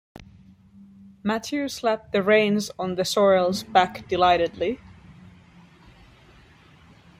Matthew slapped the reins on the sorrel’s back delightedly.